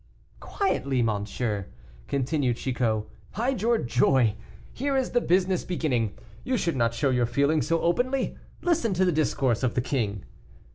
"Quietly, monsieur," continued Chicot; "hide your joy, here is the business beginning; you should not show your feelings so openly; listen to the discourse of the king."